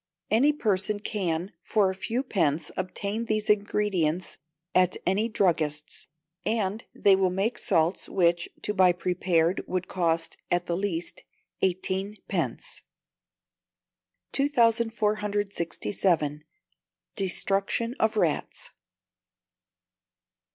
Any person can for a few pence obtain these ingredients at any druggist's, and they will make salts, which, to buy prepared, would cost, at the least, eighteen pence. 2467. Destruction of Rats.